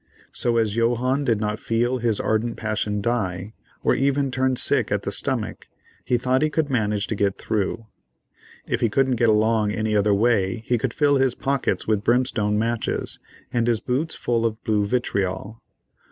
So as Johannes did not feel his ardent passion die, or even turn sick at the stomach, he thought he could manage to get through. If he couldn't get along any other way, he could fill his pockets with brimstone matches, and his boots full of blue vitriol.